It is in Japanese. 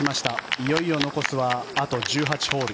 いよいよ残すはあと１８ホール。